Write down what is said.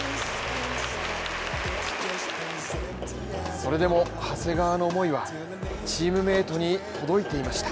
それでも長谷川の思いはチームメートに届いていました。